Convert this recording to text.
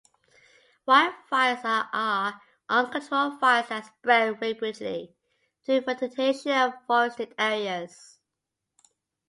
Wildfires are uncontrolled fires that spread rapidly through vegetation and forested areas.